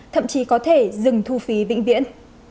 thậm chí có thể dừng thu phí vĩnh viễn